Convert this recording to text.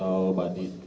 lauren apa senjatanya